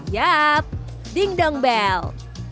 yap ding dong bell